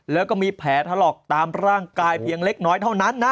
แล้วก็มีแผลถลอกตามร่างกายเพียงเล็กน้อยเท่านั้นนะ